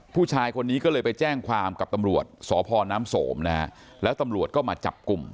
ผู้ชายคนนี้ก็เลยไปแจ้งความกับตำรวจสพน้ำโสมนะฮะแล้วตำรวจก็มาจับกลุ่ม